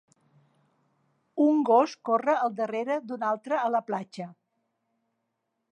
Un gos corre al darrera d'un altre a la platja.